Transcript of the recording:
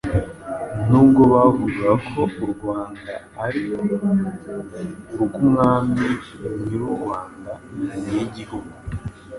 N'ubwo bavugaga ko u Rwanda ari urw'umwami Nyirurwanda, Nyirigihugu